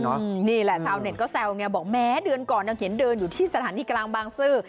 นี่แหละชาวเน็ตก็แซวไงบอกแม้เดือนก่อนยังเขียนเดินอยู่ที่สถานีกลางบางซื่อ